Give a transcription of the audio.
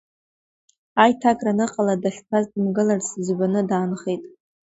Аиҭакра аныҟала, дахьтәаз дымгыларц ӡбаны даанхеит.